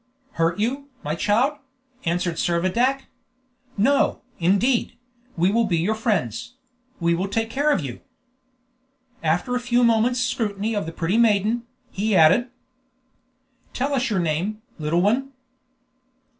"Hurt you, my child?" answered Servadac. "No, indeed; we will be your friends; we will take care of you." And after a few moments' scrutiny of the pretty maiden, he added: "Tell us your name, little one."